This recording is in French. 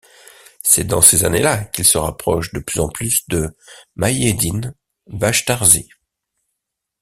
C'est dans ces années-là qu'il se rapproche de plus en plus de Mahieddine Bachtarzi.